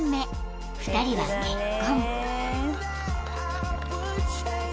［２人は結婚］